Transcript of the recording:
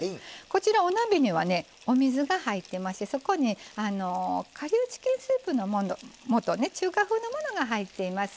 こちらお鍋にはお水が入ってましてそこに顆粒チキンスープのもと中華風のものが入っています。